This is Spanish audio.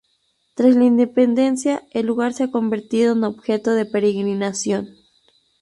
Tras la independencia, el lugar se ha convertido en objeto de peregrinación.